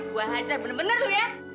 gue hajar bener bener lo ya